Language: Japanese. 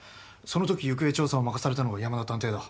そのとき行方調査を任されたのが山田探偵だ。